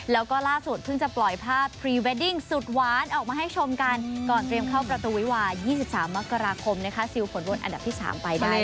แล้วก็ล่าสุดเพิ่งจะปล่อยภาพพรีเวดดิ้งสุดหวานออกมาให้ชมกันก่อนเตรียมเข้าประตูวิวา๒๓มกราคมนะคะซิลผลวนอันดับที่๓ไปได้